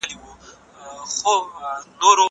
زه پرون مينه څرګندوم وم!